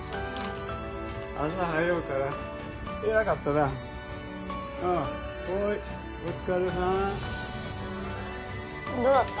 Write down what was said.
朝はようからえらかったなうんほいお疲れさんどうだった？